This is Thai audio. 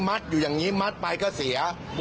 อยู่อย่างนี้มัดไปก็เสีย